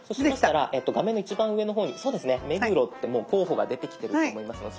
画面の一番上の方にそうですね「目黒」ってもう候補が出てきてると思いますので。